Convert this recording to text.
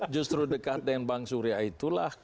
justru dekat dengan bang surya itulah